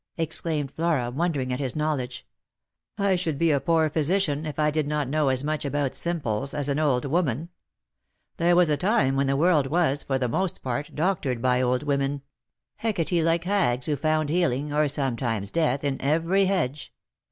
" exclaimed Flora, won dering at his knowledge. Lost for Love. 135 " I shjuld be a poor physician if I did not know as much about simples as an old woman. There was a time when the world was, for themost part, doctored by old women ; Hecate like hags who found healing — or sometimes death — in every hedge.